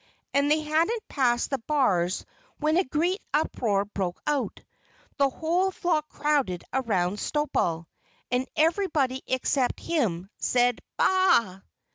And they hadn't passed the bars when a great uproar broke out. The whole flock crowded around Snowball. And everybody except him said, "_Baa!